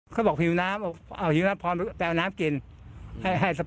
เขาบอกผิวน้ำเอาผิวน้ำพรไปเอาน้ำกินให้สะปายไปขวดหนึ่ง